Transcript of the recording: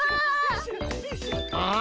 ああ。